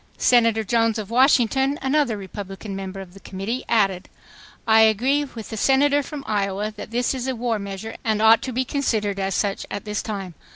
Senator Jones of Washington, another Republican member of the Committee, added: "I agree with the Senator from Iowa that this is a war measure and ought to be considered as such at this time.